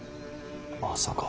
まさか。